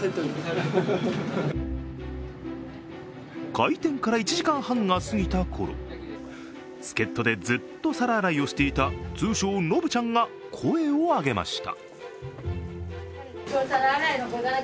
開店から１時間半が過ぎた頃助っとでずっと皿洗いをしていた通称・ノブちゃんが声を上げました。